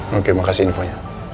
oke makasih infonya